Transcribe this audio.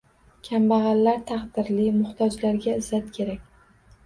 Kambag'allar taqdirli, muhtojlarga izzat kerak